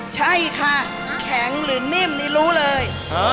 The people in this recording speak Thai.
ใช่ค่ะแข็งหรือนิ่มนี่รู้เลย